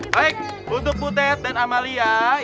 baik untuk butet dan amalia